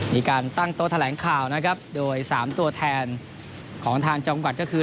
มีการตั้งโต๊ะแถลงข่าวนะครับโดยสามตัวแทนของทางจังหวัดก็คือ